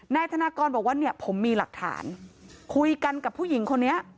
นายธนากรบอกว่าเนี่ยผมมีหลักฐานคุยกันกับผู้หญิงคนนี้